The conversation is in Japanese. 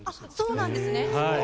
そうなんですね。